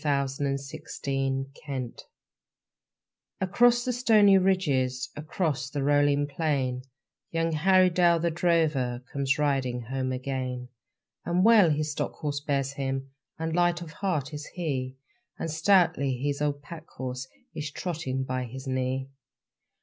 The Ballad of the Drover Across the stony ridges, Across the rolling plain, Young Harry Dale, the drover, Comes riding home again. And well his stock horse bears him, And light of heart is he, And stoutly his old pack horse Is trotting by his knee.